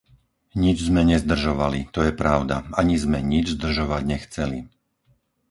Nič sme nezdržovali, to je pravda, ani sme nič zdržovať nechceli.